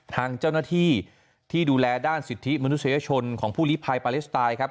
ทางเจ้าหน้าที่ที่ดูแลด้านสิทธิมนุษยชนของผู้ลิภัยปาเลสไตน์ครับ